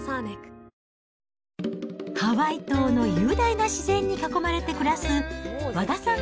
ハワイ島の雄大な自然に囲まれて暮らす、和田さん